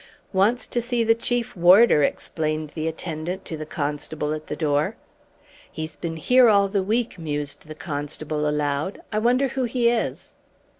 "Wants to see the Chief Warder," explained the attendant to the constable at the door. "He's been here all the week," mused the constable aloud. "I wonder who he is?"